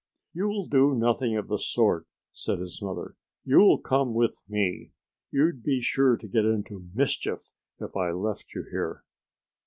"You'll do nothing of the sort!" said his mother. "You'll come with me. You'd be sure to get into mischief if I left you here."